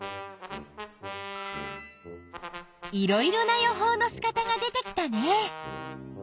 いろいろな予報のしかたが出てきたね。